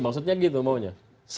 maksudnya gitu maunya